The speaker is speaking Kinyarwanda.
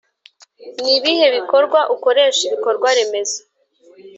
Nibihe Bikorwa ukoresha ibikorwaremezo